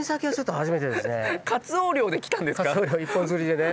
一本釣りでね。